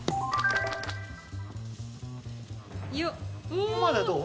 ここまではどう？